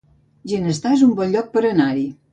Ginestar es un bon lloc per anar-hi